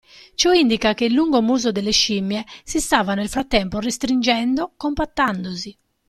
Ciò indica che il lungo muso delle scimmie si stava nel frattempo restringendo compattandosi.